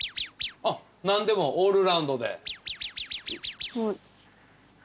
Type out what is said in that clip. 何でもオールラウンドで？